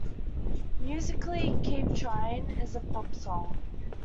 Musically, "Keep Tryin'" is a pop song.